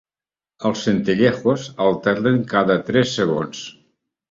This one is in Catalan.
Els centellejos alternen cada tres segons.